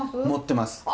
持ってます！